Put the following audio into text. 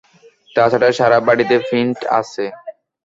তাছাড়া সারা বাড়িতে প্রিন্ট আছে।